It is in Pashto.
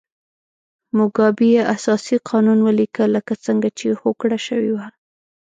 موګابي اساسي قانون ولیکه لکه څنګه چې هوکړه شوې وه.